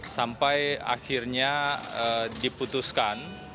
sampai akhirnya diputuskan